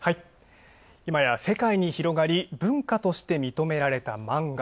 いまや世界に広がる文化として認められたマンガ。